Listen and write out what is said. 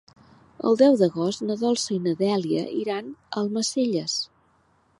El deu d'agost na Dolça i na Dèlia iran a Almacelles.